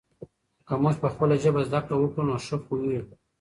که موږ په خپله ژبه زده کړه وکړو نو ښه پوهېږو.